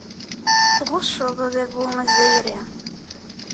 Tɣucceḍ adabu azzayri.